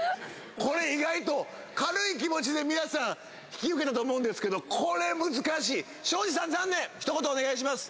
これ意外と軽い気持ちで皆さん引き受けたと思うんですけど庄司さん残念一言お願いします